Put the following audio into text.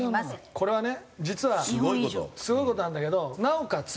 これはね実はすごい事あるんだけどなおかつ